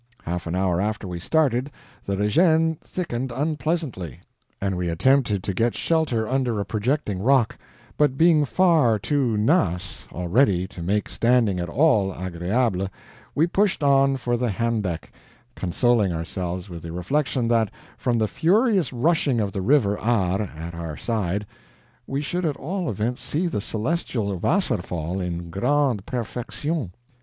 Half an hour after we started, the REGEN thickened unpleasantly, and we attempted to get shelter under a projecting rock, but being far to NASS already to make standing at all AGRÉABLE, we pushed on for the Handeck, consoling ourselves with the reflection that from the furious rushing of the river Aar at our side, we should at all events see the celebrated WASSERFALL in GRANDE PERFECTION.